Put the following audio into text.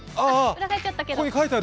裏返っちゃったけど。